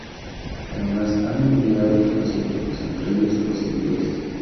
Además, han inmigrado los asiáticos, entre ellos los hindúes.